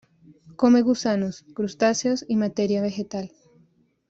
Come gusanos, crustáceos y materia vegetal.